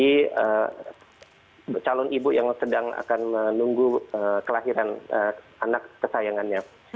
bagi calon ibu yang sedang akan menunggu kelahiran anak kesayangannya